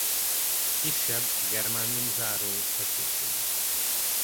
Kisebb a germánium záró feszültsége.